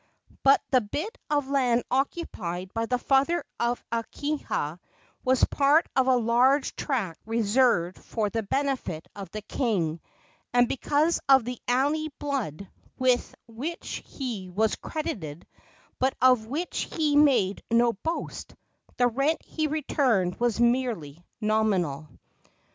But the bit of land occupied by the father of Akahia was part of a large tract reserved for the benefit of the king, and because of the alii blood with which he was credited, but of which he made no boast, the rent he returned was merely nominal.